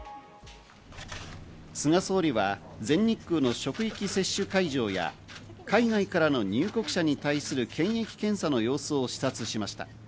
菅総理は全日空の職域接種会場や、海外からの入国者に対する検疫検査の様子を視察しました。